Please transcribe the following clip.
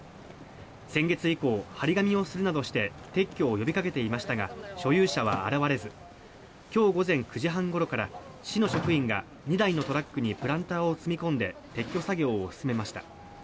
先月以降、貼り紙をするなどして撤去を呼びかけていましたが所有者は現れず今日午前９時半ごろから市の職員が２台のトラックにプランターを積み込んで撤去作業を進めました。